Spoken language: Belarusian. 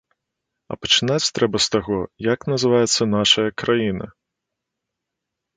А пачынаць трэба з таго, як называецца нашая краіна.